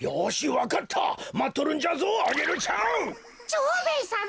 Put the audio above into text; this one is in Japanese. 蝶兵衛さま